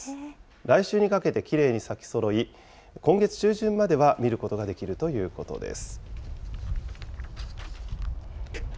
来週にかけてきれいに咲きそろい、今月中旬までは見ることができるということです。